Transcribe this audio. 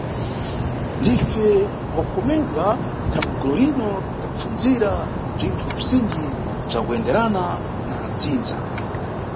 Ndife wa kukomedwa thangwe golerino tapfundzira bzinthu bzizinji bza kuyenderana na dzindza.